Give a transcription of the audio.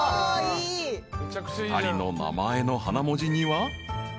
［２人の名前の花文字には］